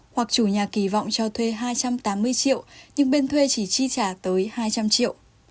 hoặc chủ nhà kỳ vọng cho thuê hai trăm tám mươi triệu nhưng bên thuê chỉ chi trả tới hai trăm linh triệu